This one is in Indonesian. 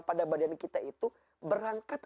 pada badan kita itu berangkat